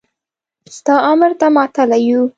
ستا امر ته ماتله يو.